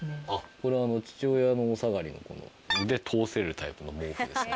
これは父親のお下がりの腕通せるタイプの毛布ですね。